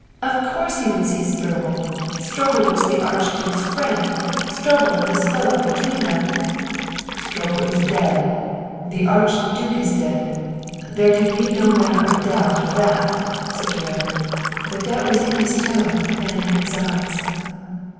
"Of course he would see Stroebel! Stroebel was the Archduke's friend; Stroebel and this fellow between them " "Stroebel is dead. The Archduke is dead; there can be no manner of doubt of that," said Durand; but doubt was in his tone and in his eyes.